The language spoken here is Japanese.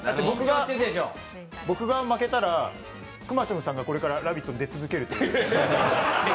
僕が負けたら、くまちょむさんが「ラヴィット！」に出続けるという。